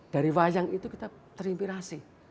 dari wayang itu kita terinspirasi